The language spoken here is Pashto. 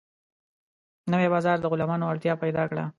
نوی بازار د غلامانو اړتیا پیدا کړه.